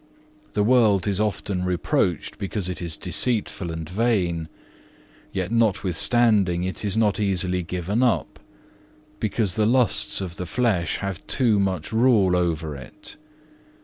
The world is often reproached because it is deceitful and vain, yet notwithstanding it is not easily given up, because the lusts of the flesh have too much rule over it.